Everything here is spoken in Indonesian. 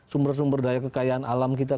sumber sumber daya kekayaan alam kita